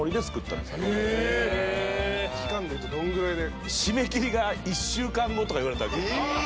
期間でいうとどんぐらいで？